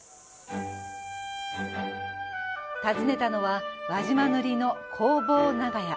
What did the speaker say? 訪ねたのは輪島塗の工房長屋。